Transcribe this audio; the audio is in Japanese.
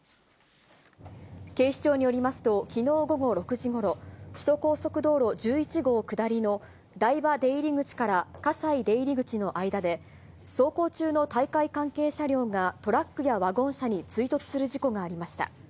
警視庁によりますと、きのう午後６時ごろ、首都高速道路１１号下りの台場出入口から葛西出入口の間で、走行中の大会関係車両が、トラックやワゴン車に追突する事故がありました。